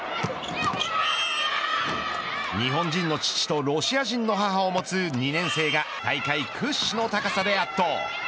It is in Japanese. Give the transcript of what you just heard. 日本人の父とロシア人の母を持つ２年生が大会屈指の高さで圧倒。